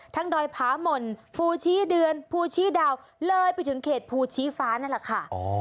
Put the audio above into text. ดอยผาหม่นภูชีเดือนภูชีดาวเลยไปถึงเขตภูชีฟ้านั่นแหละค่ะ